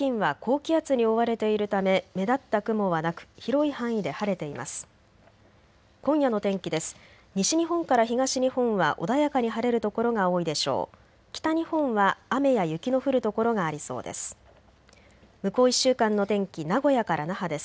北日本は雨や雪の降る所がありそうです。